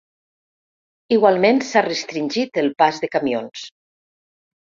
Igualment s’ha restringit el pas de camions.